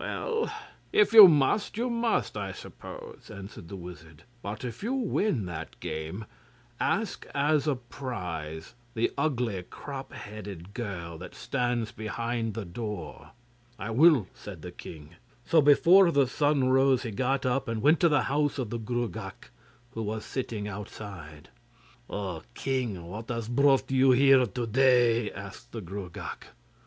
'Well, if you must, you must, I suppose,' answered the wizard; 'but if you win that game, ask as a prize the ugly crop headed girl that stands behind the door.' 'I will,' said the king. So before the sun rose he got up and went to the house of the Gruagach, who was sitting outside. 'O king, what has brought you here to day?' asked the Gruagach.